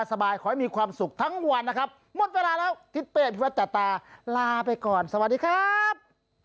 สวัสดีครับ